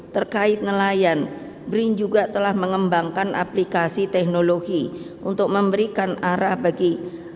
terkait nelayan brin juga telah mengembangkan aplikasi teknologi untuk memberikan arah bagi